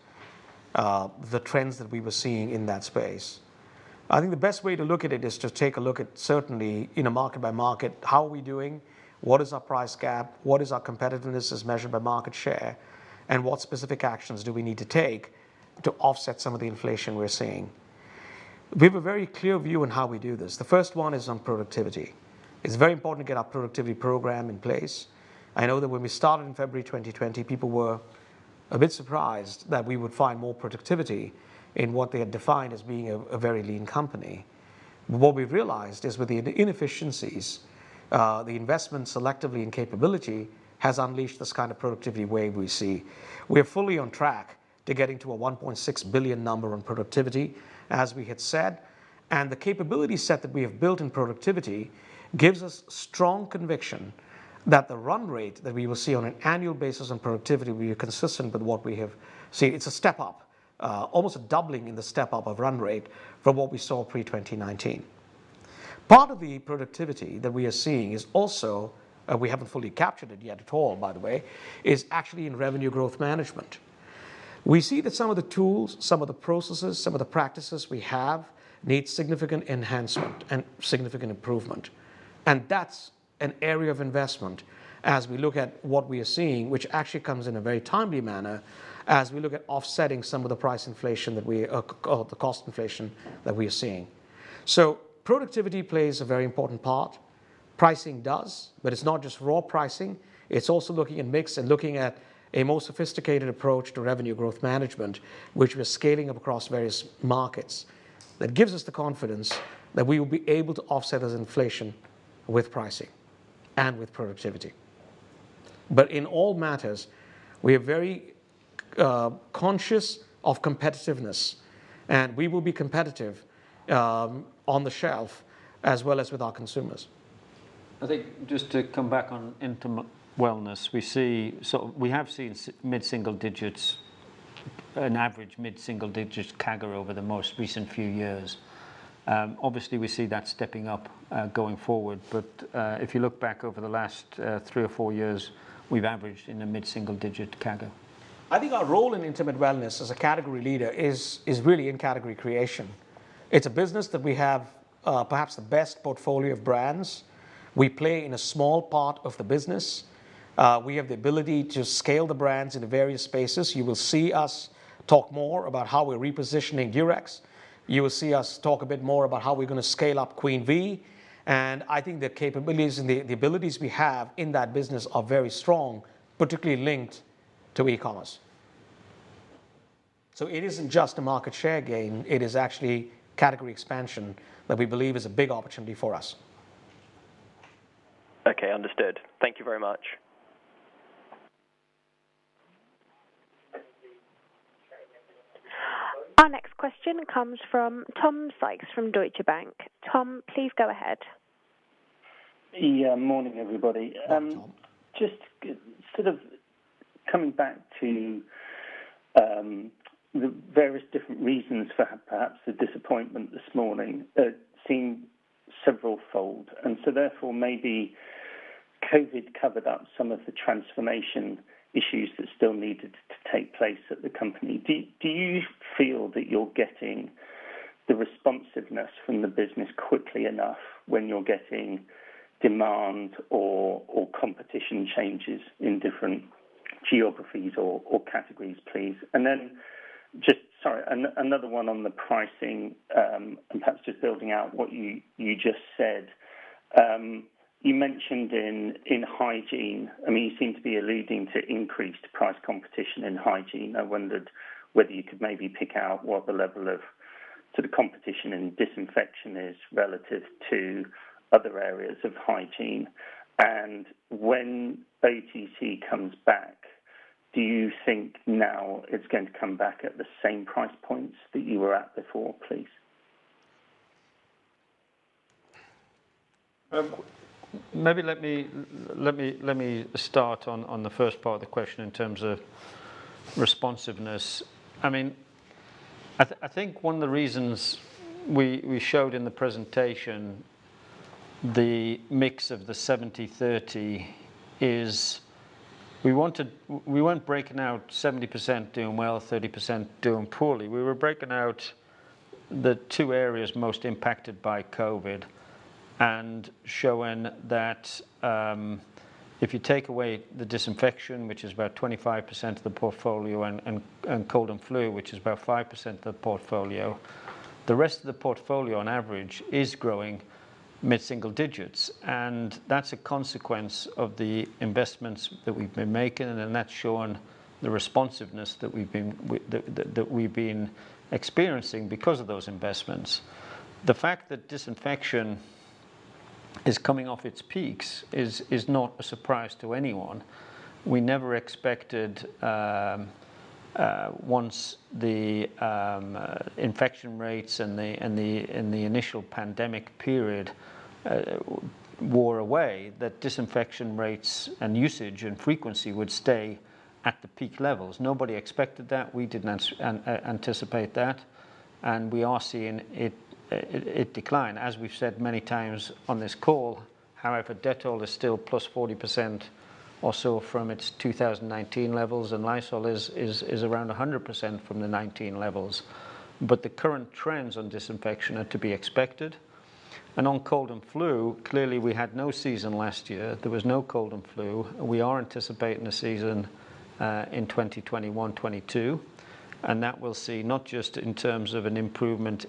the trends that we were seeing in that space. I think the best way to look at it is to take a look at, certainly, in a market by market, how are we doing, what is our price gap, what is our competitiveness as measured by market share, and what specific actions do we need to take to offset some of the inflation we're seeing? We have a very clear view on how we do this. The first one is on productivity. It's very important to get our productivity program in place. I know that when we started in February 2020, people were a bit surprised that we would find more productivity in what they had defined as being a very lean company. What we've realized is with the inefficiencies, the investment selectively in capability has unleashed this kind of productivity wave we see. We are fully on track to getting to a 1.6 billion number on productivity as we had said, and the capability set that we have built in productivity gives us strong conviction that the run rate that we will see on an annual basis on productivity will be consistent with what we have seen. It's a step up, almost a doubling in the step-up of run rate from what we saw pre-2019. Part of the productivity that we are seeing is also, we haven't fully captured it yet at all, by the way, is actually in revenue growth management. We see that some of the tools, some of the processes, some of the practices we have need significant enhancement and significant improvement, and that's an area of investment as we look at what we are seeing, which actually comes in a very timely manner as we look at offsetting some of the price inflation, or the cost inflation that we are seeing. Productivity plays a very important part. Pricing does, but it's not just raw pricing, it's also looking at mix and looking at a more sophisticated approach to revenue growth management, which we're scaling up across various markets. That gives us the confidence that we will be able to offset this inflation with pricing and with productivity. In all matters, we are very conscious of competitiveness, and we will be competitive on the shelf as well as with our consumers. I think just to come back on Intimate Wellness, we have seen an average mid-single digits CAGR over the most recent few years. We see that stepping up going forward. If you look back over the last three or four years, we've averaged in the mid-single digit CAGR. I think our role in Intimate Wellness as a category leader is really in category creation. It's a business that we have perhaps the best portfolio of brands. We play in a small part of the business. We have the ability to scale the brands into various spaces. You will see us talk more about how we're repositioning Durex. You will see us talk a bit more about how we're going to scale up Queen V. I think the capabilities and the abilities we have in that business are very strong, particularly linked to e-commerce. It isn't just a market share gain, it is actually category expansion that we believe is a big opportunity for us. Okay, understood. Thank you very much. Our next question comes from Tom Sykes from Deutsche Bank. Tom, please go ahead. Yeah. Morning, everybody. Hi, Tom. Just sort of coming back to the various different reasons for perhaps the disappointment this morning. It seemed several-fold, and so therefore maybe COVID covered up some of the transformation issues that still needed to take place at the company. Do you feel that you're getting the responsiveness from the business quickly enough when you're getting demand or competition changes in different geographies or categories, please? Then just, sorry, another one on the pricing, and perhaps just building out what you just said. You mentioned in hygiene, you seem to be alluding to increased price competition in hygiene. I wondered whether you could maybe pick out what the level of sort of competition in disinfection is relative to other areas of hygiene. When OTC comes back, do you think now it's going to come back at the same price points that you were at before, please? Maybe let me start on the first part of the question in terms of responsiveness. I think one of the reasons we showed in the presentation the mix of the 70/30 is we weren't breaking out 70% doing well, 30% doing poorly. We were breaking out the two areas most impacted by COVID and showing that if you take away the disinfection, which is about 25% of the portfolio, and cold and flu, which is about 5% of the portfolio, the rest of the portfolio on average is growing mid-single digits. That's a consequence of the investments that we've been making, and that's shown the responsiveness that we've been experiencing because of those investments. The fact that disinfection is coming off its peaks is not a surprise to anyone. We never expected once the infection rates and the initial pandemic period wore away, that disinfection rates and usage and frequency would stay at the peak levels. Nobody expected that. We didn't anticipate that, and we are seeing it decline, as we've said many times on this call. Dettol is still +40% or so from its 2019 levels, and Lysol is around 100% from the 2019 levels. The current trends on disinfection are to be expected. On cold and flu, clearly, we had no season last year. There was no cold and flu. We are anticipating a season in 2021/22, and that we'll see not just in terms of an improvement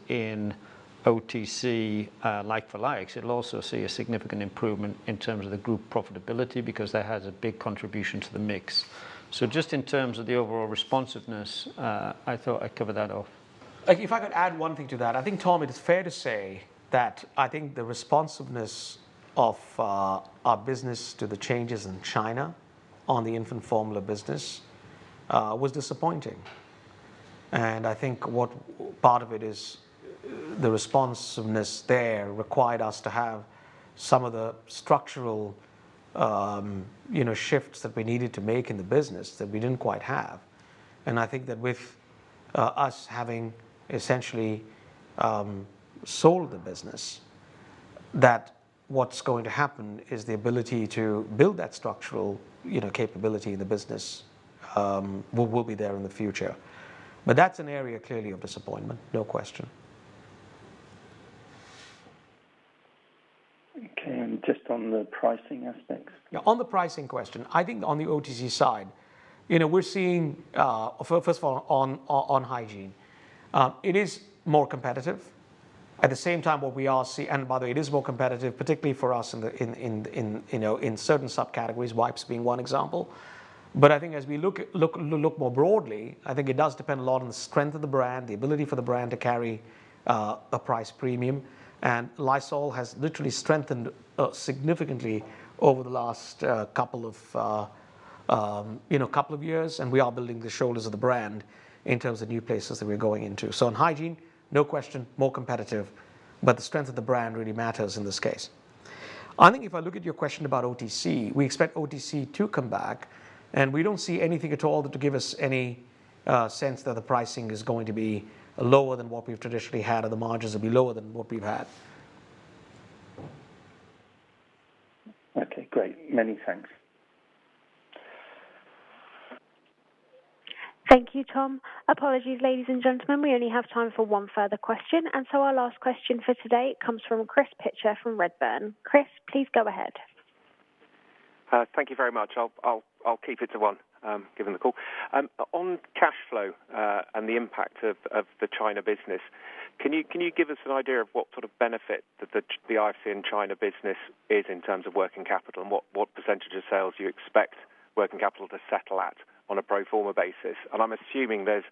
in OTC like for likes, it'll also see a significant improvement in terms of the group profitability because that has a big contribution to the mix. Just in terms of the overall responsiveness, I thought I'd cover that off. If I could add one thing to that, I think, Tom, it is fair to say that I think the responsiveness of our business to the changes in China on the infant formula business was disappointing. I think what part of it is the responsiveness there required us to have some of the structural shifts that we needed to make in the business that we didn't quite have. I think that with us having essentially sold the business. That what's going to happen is the ability to build that structural capability in the business will be there in the future. That's an area, clearly, of disappointment. No question. Okay, just on the pricing aspects? Yeah, on the pricing question, I think on the OTC side, we're seeing, first of all, on Hygiene. It is more competitive. At the same time, what we are seeing, and by the way, it is more competitive, particularly for us in certain subcategories, wipes being one example. I think as we look more broadly, I think it does depend a lot on the strength of the brand, the ability for the brand to carry a price premium. Lysol has literally strengthened significantly over the last couple of years. We are building the shoulders of the brand in terms of new places that we're going into. In Hygiene, no question, more competitive, but the strength of the brand really matters in this case. I think if I look at your question about OTC, we expect OTC to come back, and we don't see anything at all to give us any sense that the pricing is going to be lower than what we've traditionally had, or the margins will be lower than what we've had. Okay, great. Many thanks. Thank you, Tom. Apologies, ladies and gentlemen, we only have time for one further question. Our last question for today comes from Chris Pitcher from Redburn. Chris, please go ahead. Thank you very much. I'll keep it to one, given the call. On cash flow and the impact of the China business, can you give us an idea of what sort of benefit that the IFCN in China business is in terms of working capital, and what % of sales you expect working capital to settle at on a pro forma basis? I'm assuming there's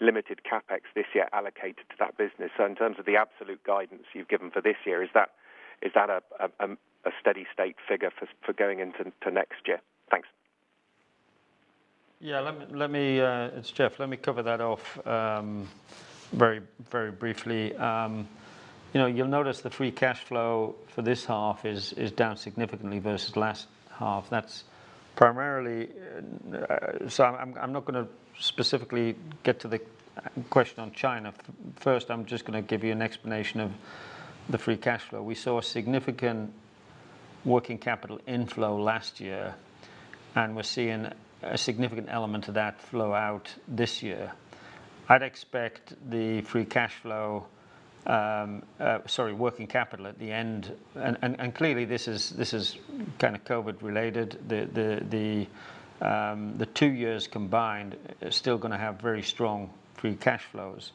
limited CapEx this year allocated to that business. In terms of the absolute guidance you've given for this year, is that a steady state figure for going into next year? Thanks. It's Jeff. Let me cover that off very briefly. You'll notice the free cash flow for this half is down significantly versus last half. I'm not going to specifically get to the question on China. First, I'm just going to give you an explanation of the free cash flow. We saw a significant working capital inflow last year, and we're seeing a significant element of that flow out this year. I'd expect the free cash flow, sorry, working capital at the end, and clearly this is kind of COVID related. The two years combined are still going to have very strong free cash flows.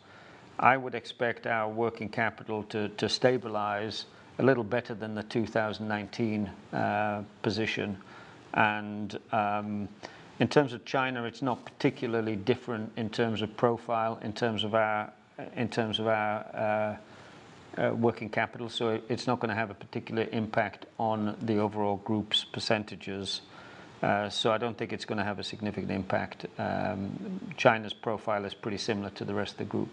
I would expect our working capital to stabilize a little better than the 2019 position. In terms of China, it's not particularly different in terms of profile, in terms of our working capital. It's not going to have a particular impact on the overall group's percentages. I don't think it's going to have a significant impact. China's profile is pretty similar to the rest of the group.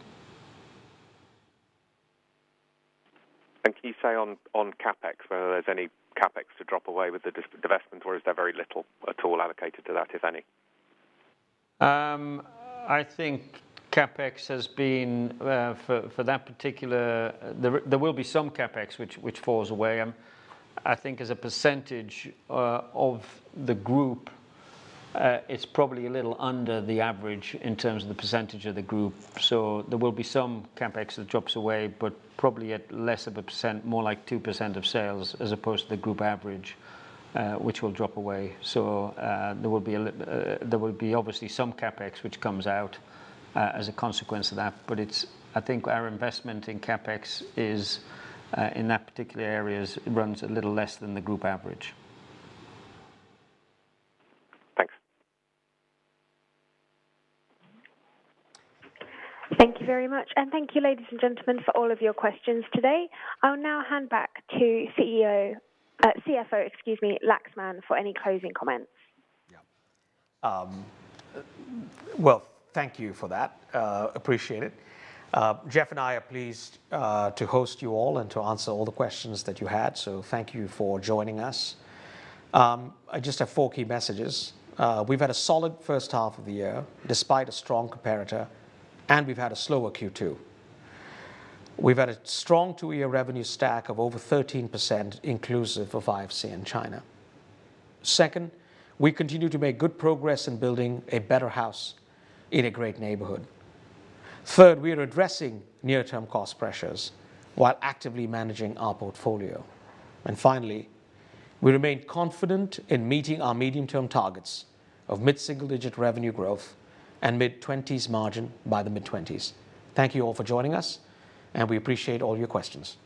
Can you say on CapEx, whether there's any CapEx to drop away with the divestment, or is there very little at all allocated to that, if any? There will be some CapEx which falls away. I think as a percentage of the group, it's probably a little under the average in terms of the percentage of the group. There will be some CapEx that drops away, but probably at less of a percent, more like 2% of sales as opposed to the group average, which will drop away. There will be obviously some CapEx which comes out as a consequence of that. I think our investment in CapEx is, in that particular area, runs a little less than the group average. Thanks. Thank you very much. Thank you, ladies and gentlemen, for all of your questions today. I'll now hand back to CEO Laxman for any closing comments. Yeah. Well, thank you for that. Appreciate it. Jeff and I are pleased to host you all and to answer all the questions that you had, so thank you for joining us. I just have four key messages. We've had a solid first half of the year, despite a strong comparator, and we've had a slower Q2. We've had a strong two-year revenue stack of over 13%, inclusive of IFCN in China. Second, we continue to make good progress in building a better house in a great neighborhood. Third, we are addressing near-term cost pressures while actively managing our portfolio. Finally, we remain confident in meeting our medium-term targets of mid-single-digit revenue growth and mid-20s margin by the mid-20s. Thank you all for joining us, and we appreciate all your questions.